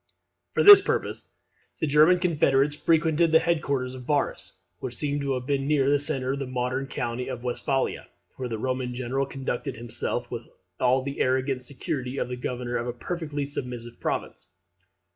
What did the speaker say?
For this purpose the German confederates frequented the headquarters of Varus, which seem to have been near the centre of the modern country of Westphalia, where the Roman general conducted himself with all the arrogant security of the governor of a perfectly submissive province.